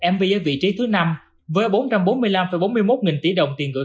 mv ở vị trí thứ năm với bốn trăm bốn mươi năm bốn mươi một nghìn tỷ đồng